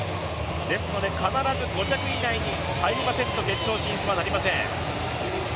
ですので必ず５着以内に入りませんと決勝進出はありません。